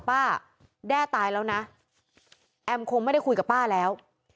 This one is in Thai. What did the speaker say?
แด้ตายแล้วนะแอมคงไม่ได้คุยกับป้าแล้ว